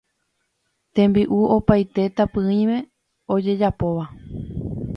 Tembi'u opaite tapỹime ojejapóva